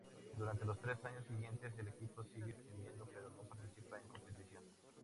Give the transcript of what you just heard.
Durante los tres años siguientes, el equipo sigue existiendo pero no participa en competición.